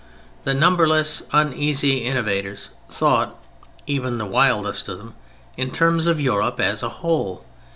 The numberless uneasy innovators thought, even the wildest of them, in terms of Europe as a whole.